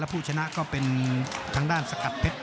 ผู้ชนะก็เป็นทางด้านสกัดเพชร